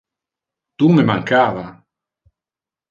Tu me mancava.